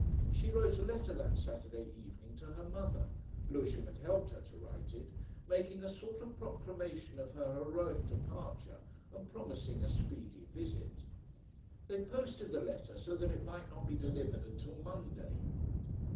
She wrote a letter that Saturday evening to her mother Lewisham had helped her to write it making a sort of proclamation of her heroic departure and promising a speedy visit. They posted the letter so that it might not be delivered until Monday.